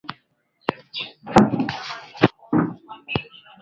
Dalili nyingine ya ugonjwa wa pumu ni mfugo kulialia na kukoroma